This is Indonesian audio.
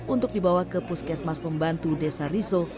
untuk dibawa ke puskesmas pembantu desa riso